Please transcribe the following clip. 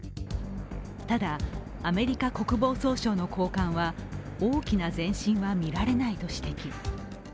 ただ、アメリカ国防総省の高官は大きな前進は見られないと指摘。